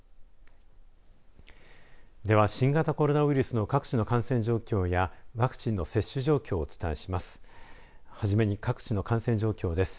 では新型コロナウイルスの各地の感染状況やワクチンの接種状況をお伝えします。